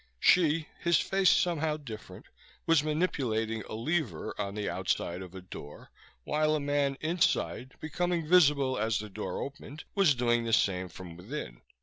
Hsi, his face somehow different, was manipulating a lever on the outside of a door while a man inside, becoming visible as the door opened, was doing the same from within.